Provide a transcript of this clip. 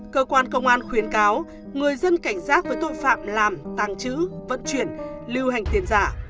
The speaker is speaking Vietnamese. cơ quan công an khuyến cáo người dân cảnh giác với tội phạm làm tăng trữ vận chuyển lưu hành tiền giả